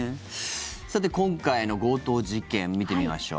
さて、今回の強盗事件見てみましょう。